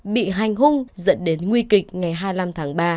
bị hành hung dẫn đến nguy kịch ngày hai mươi năm tháng ba